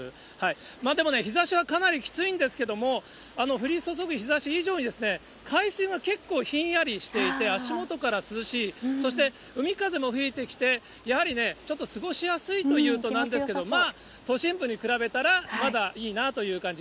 でも、日ざしはかなりきついんですけれども、降り注ぐ日ざし以上に海水が結構ひんやりしていて、足元から涼しい、そして海風も吹いていて、やはりね、ちょっと過ごしやすいというとなんですけど、都心部に比べたらまだいいなという感じ。